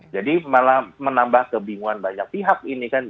jadi malah menambah kebingungan banyak pihak ini